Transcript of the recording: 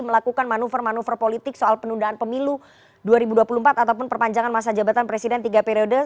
melakukan manuver manuver politik soal penundaan pemilu dua ribu dua puluh empat ataupun perpanjangan masa jabatan presiden tiga periode